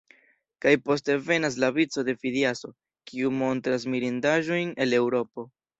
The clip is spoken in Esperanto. Kaj poste venas la vico de Fidiaso, kiu montras mirindaĵojn el Eŭropo.